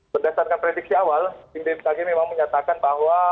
berdasarkan prediksi awal tim bmkg memang menyatakan bahwa